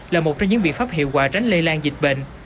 là một trong những biện pháp hiệu quả tránh lây lan dịch bệnh